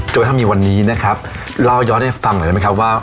กระทั่งมีวันนี้นะครับเล่าย้อนให้ฟังหน่อยได้ไหมครับว่า